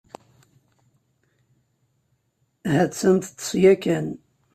Ha-tt-an teṭṭes ya kan.